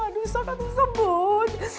aduh sok atuh sebut